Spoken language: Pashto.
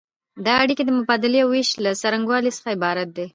دا اړیکې د مبادلې او ویش له څرنګوالي څخه عبارت دي.